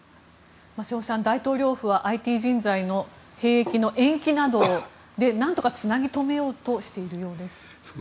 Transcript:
瀬尾さん、大統領府はＩＴ人材の兵役の延期などで何とかつなぎ止めようとしているようです。